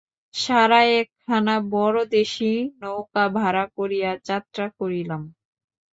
সাঁড়ায় একখানা বড়ো দেশী নৌকা ভাড়া করিয়া যাত্রা করিলাম।